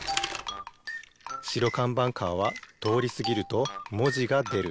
白かんばんカーはとおりすぎるともじがでる。